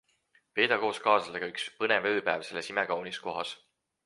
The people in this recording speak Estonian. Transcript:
Veeda koos kaaslasega üks põnev ööpäev selles imekaunis kohas!